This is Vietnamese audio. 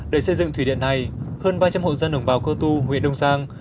để xây dựng thủy điện này hơn ba trăm linh hộ dân đồng bào cơ tu huyện đông giang